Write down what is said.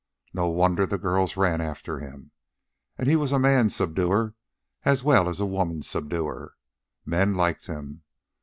No wonder the girls ran after him. And he was a man subduer as well as a woman subduer. Men liked him.